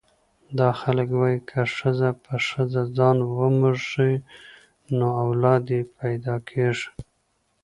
دا خلک وايي که ښځه په ښځه ځان وموښي نو اولاد یې پیدا کېږي.